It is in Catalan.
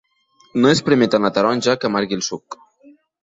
No esprémer tant la taronja que amargui el suc.